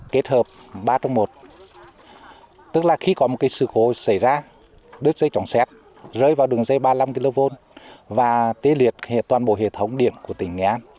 kết hợp ba trong một tức là khi có một sự cố xảy ra đứt dây trọng xét rơi vào đường dây ba mươi năm kv và tê liệt toàn bộ hệ thống điểm của tỉnh nghệ an